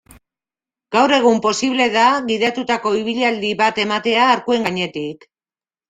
Gaur egun posible da gidatutako ibilaldi bat ematea arkuen gainetik.